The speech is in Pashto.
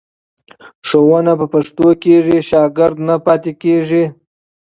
ښوونه په پښتو کېږي، شاګرد نه پاتې کېږي.